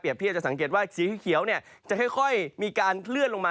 เปรียบพี่จะสังเกตว่าสีเขียวจะค่อยมีการเคลื่อนลงมา